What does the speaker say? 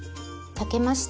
炊けました。